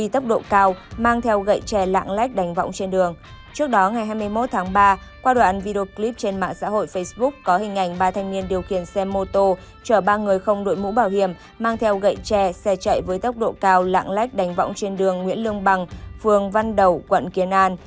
trước đó ngày hai mươi một tháng ba qua đoạn video clip trên mạng xã hội facebook có hình ảnh ba thanh niên điều khiển xe mô tô chở ba người không đội mũ bảo hiểm mang theo gậy tre xe chạy với tốc độ cao lạng lách đánh võng trên đường nguyễn lương bằng phường văn đầu quận kiến an